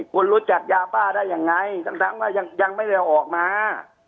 คุณรู้จักยาบ้าได้ยังไงทั้งว่ายังไม่ได้เอาออกมา